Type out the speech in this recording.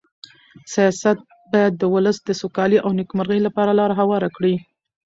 سیاست باید د ولس د سوکالۍ او نېکمرغۍ لپاره لاره هواره کړي.